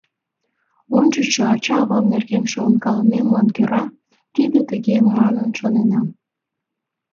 Ончычшо ача-авам нерген шонкалымемлан кӧра тиде тыге манын шоненам.